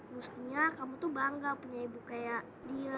mestinya kamu tuh bangga punya ibu kayak dia